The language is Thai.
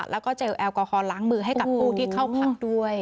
แล้วก็เจลแอลกอฮอลล้างมือให้กับผู้ที่เข้าพักด้วย